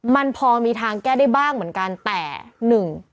มันพอมีทางแก้ได้บ้างเหมือนกันแต่หนึ่ง